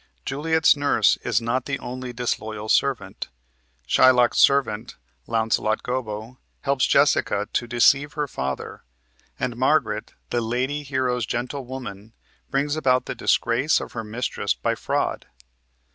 Juliet's nurse is not the only disloyal servant. Shylock's servant, Launcelot Gobbo, helps Jessica to deceive her father, and Margaret, the Lady Hero's gentlewoman, brings about the disgrace of her mistress by fraud.